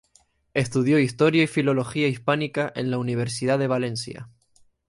Estudió Historia y Filología hispánica en la Universidad de Valencia.